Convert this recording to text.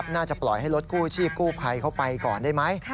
น่าจะปล่อยให้รถกู้ชีพกู้ภัยเขาไปก่อนได้ไหม